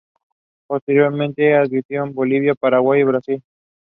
Moore was replaced as referee by John Finnegan.